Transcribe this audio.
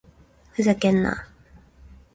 ふざけんな！